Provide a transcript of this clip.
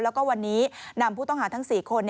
แล้วก็วันนี้นำผู้ต้องหาทั้ง๔คน